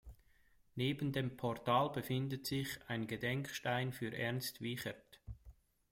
Neben dem Portal befindet sich ein Gedenkstein für Ernst Wiechert.